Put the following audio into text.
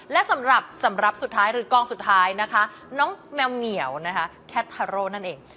และสำหรับสุดท้ายหรือกล้องสุดท้ายนะคะน้องแมวเหนียวแคททาโร่นั่นเอง